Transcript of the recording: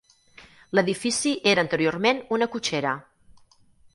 L'edifici era anteriorment una cotxera.